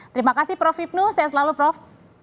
terima kasih prof hipnu sehat selalu prof